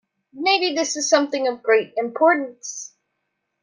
Maybe this is something of great importance.